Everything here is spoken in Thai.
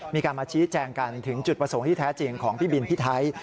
มีการมาชี้แจงกันถึงจุดประสงค์ที่แท้จริงของพี่บินพี่ไทย